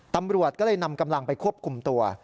ตำรวจก็เลยนำกำลังไปควบคุมตัว